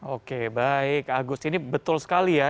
oke baik agus ini betul sekali ya